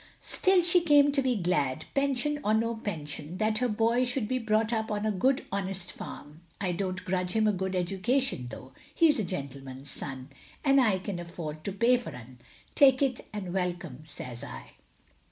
Still she came to be glad, pension or no pension, that her boy should be brought up on a good honest farm. I don't grudge him a good education though. He 's a gentleman's son, and I can afford to pay for 'un. Take it and welcome, says I."